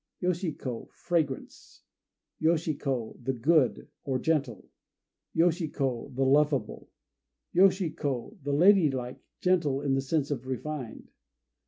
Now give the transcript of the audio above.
Yoshi ko "Fragrance." Yoshi ko "The Good," or Gentle. Yoshi ko "The Lovable." Yoshi ko "The Lady like," gentle in the sense of refined.